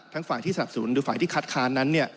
ทั้งฝ่ายที่สนับสูญด้วยฝ่ายที่คัดภารนั้น